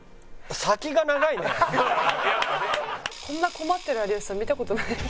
こんな困ってる有吉さん見た事ない。